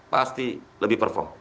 pasti lebih perform